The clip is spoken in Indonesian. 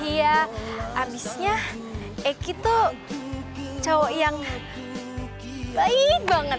iya abisnya eki tuh cowok yang baik banget